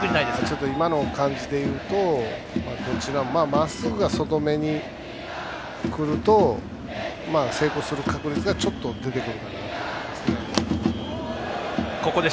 ちょっと今の感じで言うとまっすぐが外めにくると成功する確率がちょっと出てくるかなという感じですね。